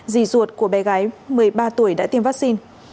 rì ruột của bé gái một mươi ba tuổi đã tiêm vaccine